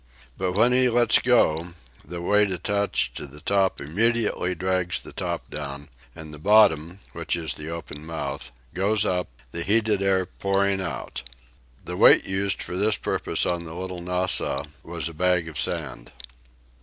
But when he lets go, the weight attached to the top immediately drags the top down, and the bottom, which is the open mouth, goes up, the heated air pouring out. The weight used for this purpose on the "Little Nassau" was a bag of sand.